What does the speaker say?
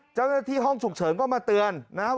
เจ้าหน้าที่ห้องฉุกเฉินก็มาเตือนนะครับ